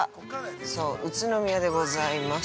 そう、宇都宮でございます。